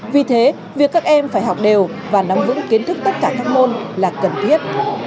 vì thế việc các em phải học đều và nắm vững kiến thức tất cả các môn là cần thiết